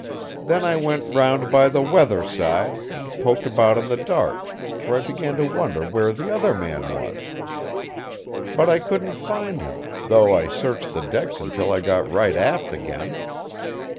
Then I went round by the weather side, and poked about in the dark, for I began to wonder where the other man was. But I couldn't find him, though I searched the decks until I got right aft again.